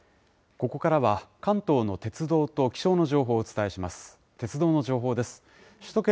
ここからは関東の鉄道と気象の情報をお伝えします。